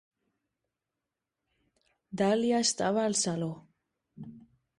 Dahlia estava al saló.